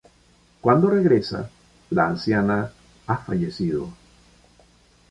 Cuando regresa, la anciana ha fallecido.